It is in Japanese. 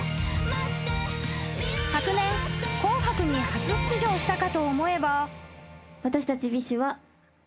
［昨年『紅白』に初出場したかと思えば］